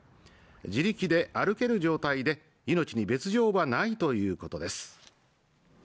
自力で歩ける状態で命に別状はないということです